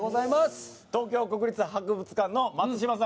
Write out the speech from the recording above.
東京国立博物館の松嶋さん